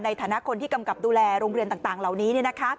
ในฐานะคนที่กำกับดูแลโรงเรียนต่างเหล่านี้